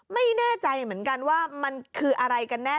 ไม่แน่ใจเหมือนกันว่ามันคืออะไรกันแน่